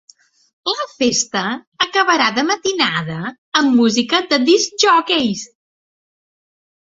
La festa acabarà de matinada amb música de discjòqueis.